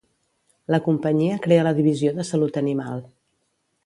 La companyia crea la divisió de Salut Animal.